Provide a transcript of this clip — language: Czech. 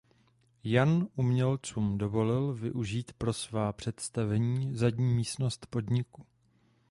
Jan umělcům dovolil využít pro svá představení zadní místnost podniku.